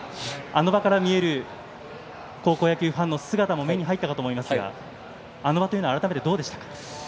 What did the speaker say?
あの場から見える高校野球ファンの姿も目に入ったかと思いますがあの場というのは改めてどうでしたか？